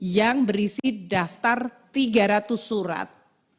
yang berisi daftar tiga ratus surat